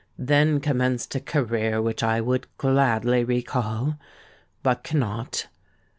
Then commenced a career which I would gladly recall—but cannot!